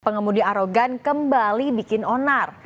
pengemudi arogan kembali bikin onar